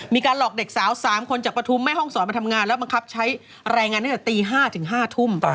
มีการหลอกเด็กสาว๓คนจากปฐุมแม่ห้องศรมาทำงานแล้วบังคับใช้รายงานตั้งแต่ตี๕ถึง๕ทุ่ม